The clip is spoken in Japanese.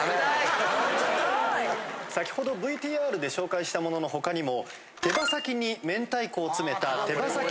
先ほどＶＴＲで紹介したものの他にも。